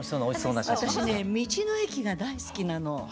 私ね道の駅が大好きなの。